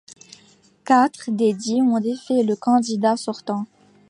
Quatre des dix ont défait le candidat sortant.